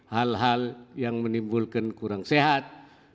hal hal yang menimbulkan kurang sehat